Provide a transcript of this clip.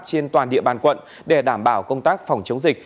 trên toàn địa bàn quận để đảm bảo công tác phòng chống dịch